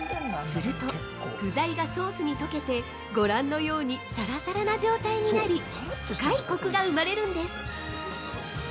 すると、具材がソースに溶けてご覧のようにサラサラな状態になり深いコクが生まれるんです。